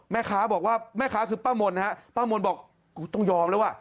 แม่ค้าบอกว่าแม่ค้าคือป้ามนฮะป้ามนบอกกูต้องยอมแล้วว่ะ